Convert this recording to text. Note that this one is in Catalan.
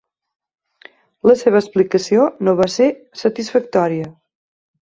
La seva explicació no va ser satisfactòria.